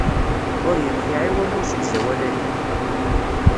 Ur yenfiɛ i walu usegzawal-ayi.